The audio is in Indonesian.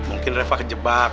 mungkin reva kejebak